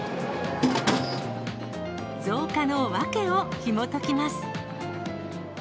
増加の訳をひもときます。